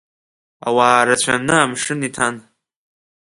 Ауаа рацәаны амшын иҭан.